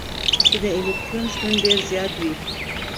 چي د الکترون شتون ډېر زيات وي.